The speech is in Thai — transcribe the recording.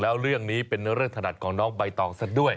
แล้วเรื่องนี้เป็นเรื่องถนัดของน้องใบตองสักด้วย